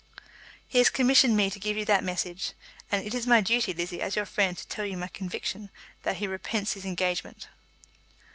"He has commissioned me to give you that message; and it is my duty, Lizzie, as your friend, to tell you my conviction that he repents his engagement."